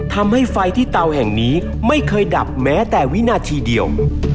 ทำให้ไฟที่เตาแห่งนี้ไม่เคยดับแม้แต่วินาทีเดียว